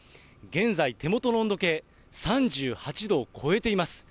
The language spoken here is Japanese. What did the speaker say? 現在、手元の温度計３８度を超えています。